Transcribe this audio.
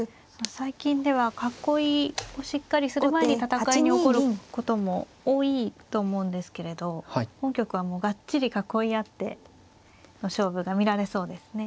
最近では囲いをしっかりする前に戦いに起こることも多いと思うんですけれど本局はもうがっちり囲い合っての勝負が見られそうですね。